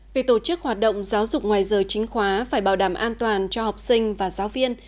vì tổ chức hoạt động giáo dục ngoài giờ chính khóa phải bảo đảm an toàn cho học sinh và giáo viên